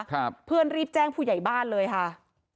เพื่อนรีบแจ้งผู้ใหญ่บ้านเลยค่ะ